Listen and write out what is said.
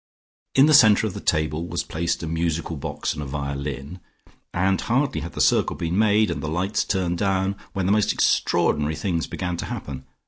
In the centre of the table was placed a musical box and a violin, and hardly had the circle been made, and the lights turned down, when the most extraordinary things began to happen.